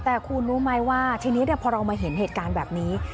แต่คุณรู้ไหมว่าทีนี้พอเรามาเห็นเหตุการณ์แบบนี้